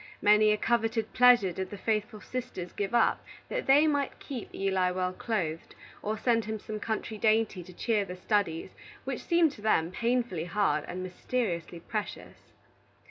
Many a coveted pleasure did the faithful sisters give up that they might keep Eli well clothed, or send him some country dainty to cheer the studies which seemed to them painfully hard and mysteriously precious.